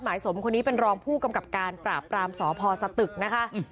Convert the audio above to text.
สมคนนี้เป็นรองผู้กำกับการปราบปรามสพสตึกนะคะ